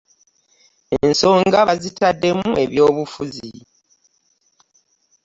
Ensonga baazitadeemu ebyobufizi.